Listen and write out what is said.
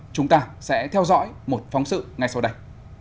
chúng ta sẽ theo dõi một phóng sự ngay sau đây